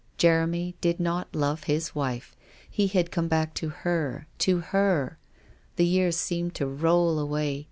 Vincent did not love his wife ; he had come back to her, to her. The years seemed to roll away.